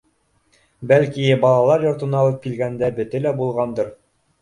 Бәлки, балалар йортона алып килгәндә бете лә булғандыр.